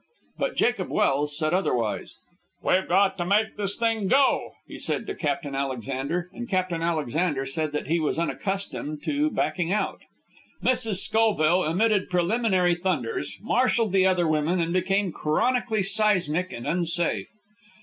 But Jacob Welse said otherwise. "We've got to make this thing go," he said to Captain Alexander, and Captain Alexander said that he was unaccustomed to backing out. Mrs. Schoville emitted preliminary thunders, marshalled the other women, and became chronically seismic and unsafe.